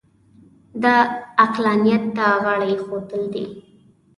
دا عقلانیت ته غاړه اېښودل دي.